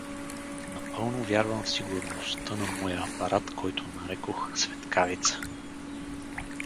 Напълно вярвам в сигурността на моя апарат, който нарекох „Светкавица“.